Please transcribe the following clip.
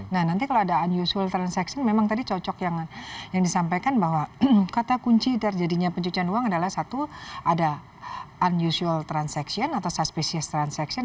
nah nanti kalau ada unusual transaction memang tadi cocok yang disampaikan bahwa kata kunci terjadinya pencucian uang adalah satu ada unusual transaction atau suspicious transaction